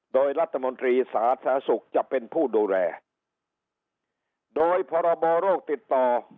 โดยรัฐมนตรีสาธารณสุขจะเป็นผู้ดูแลโดยพรบโรคติดต่อ